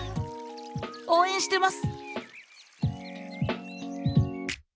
応援してます！